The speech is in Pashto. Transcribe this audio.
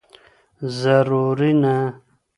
زرورینه